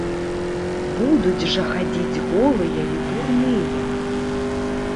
Будуць жа хадзіць голыя і дурныя!